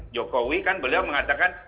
jokowi kan beliau mengatakan